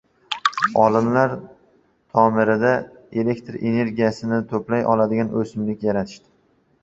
Olimlar tomirida elektr energiyasini to‘play oladigan o‘simlik yaratishdi